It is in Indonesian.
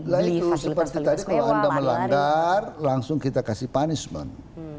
lagi kalau anda melanggar langsung kita kasih punishment